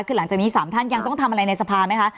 คือหลังจากนี้๓ท่านยังต้องทำอะไรในสภาไหมคะ